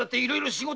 仕事？